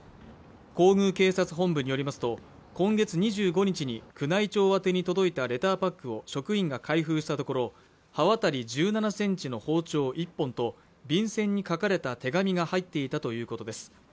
皇宮警察本部によりますと今月２５日に宮内庁宛に届いたレターパックを職員が開封したところ刃渡り１７センチの包丁１本と便箋に書かれた手紙が入っていたということです